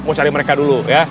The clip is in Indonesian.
mau cari mereka dulu ya